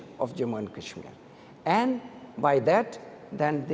dan dengan itu mereka akan mengatakan